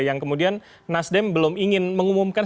yang kemudian nasdem belum ingin mengumumkan